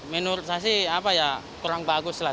menurut saya sih apa ya kurang bagus lah